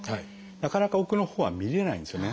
なかなか奥のほうは見れないんですよね。